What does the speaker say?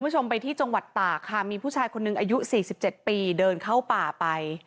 คุณผู้ชมไปที่จังหวัดตากค่ะมีผู้ชายคนหนึ่งอายุ๔๗ปีเดินเข้าป่าไป